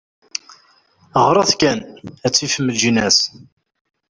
Ɣret kan, ad tifem leǧnas.